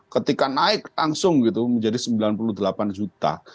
ketika naik langsung gitu menjadi sembilan puluh delapan juta